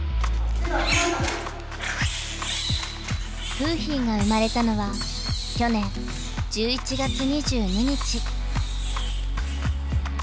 楓浜が生まれたのは去年１１月２２日。